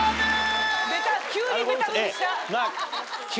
急にベタ踏みした。